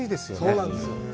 そうなんですよ。